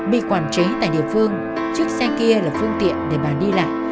bị quản chế tại địa phương chiếc xe kia là phương tiện để bà đi lại